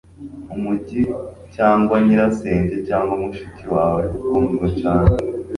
Umujyi cyangwa nyirasenge cyangwa mushiki wawe ukundwa cyane